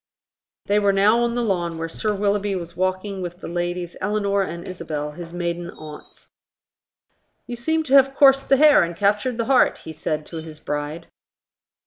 They were now on the lawn, where Sir Willoughby was walking with the ladies Eleanor and Isabel, his maiden aunts. "You seem to have coursed the hare and captured the hart." he said to his bride.